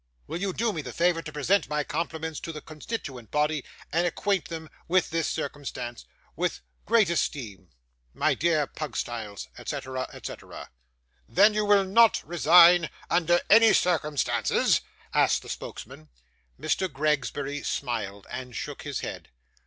'Will you do me the favour to present my compliments to the constituent body, and acquaint them with this circumstance? 'With great esteem, 'My dear Mr. Pugstyles, '&c.&c.' 'Then you will not resign, under any circumstances?' asked the spokesman. Mr. Gregsbury smiled, and shook his head.